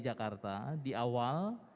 jakarta di awal